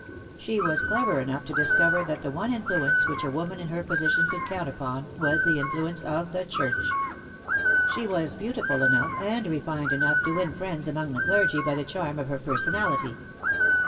She was clever enough to discover that the one influence which a woman in her position could count upon was the influence of the Church. She was beautiful enough and refined enough to win friends among the clergy by the charm of her personality.